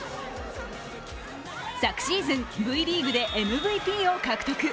昨シーズン、ＶリーグでＭＶＰを獲得。